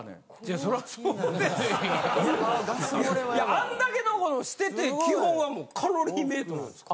あんだけのことしてて基本はカロリーメイトなんですか。